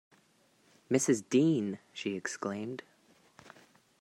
'Mrs. Dean!’ she exclaimed.